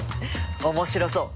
面白そう！